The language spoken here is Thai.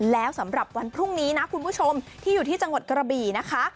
แล้วสำหรับวันพรุ่งนี้นะคุณผู้ชมที่อยู่ที่จังหวัดกระบี่นะคะ